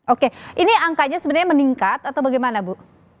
oke ini angkanya sebenarnya meningkat atau bagaimana bu